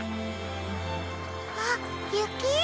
あっゆき？